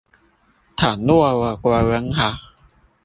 倘若我國文好